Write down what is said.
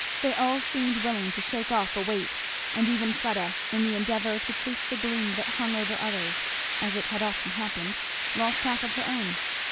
They all seemed willing to shake off a weight, and even Fleda, in the endeavour to chase the gloom that hung over others, as it had often happened, lost half of her own.